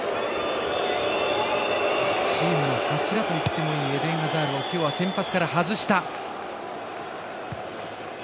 チームの柱といってもいいエデン・アザールを今日は先発から外した。